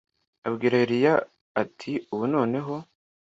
abwira eliya ati ubu noneho